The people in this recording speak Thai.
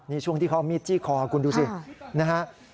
นี่ช่วงที่เขามีดจี้คอคุณดูสินะครับ